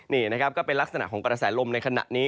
นี่นะครับก็เป็นลักษณะของกระแสลมในขณะนี้